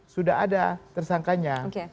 sudah ada tersangkanya